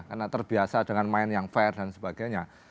karena terbiasa dengan main yang fair dan sebagainya